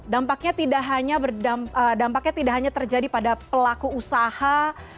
dampaknya tidak hanya terjadi pada pelaku usaha